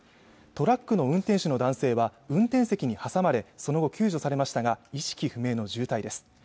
トラックの運転手の男性は運転席に挟まれその後救助されましたが意識不明の重体です